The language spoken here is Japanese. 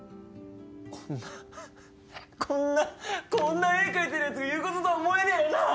こんなこんなこんな絵描いてるやつが言うこととは思えねえよな。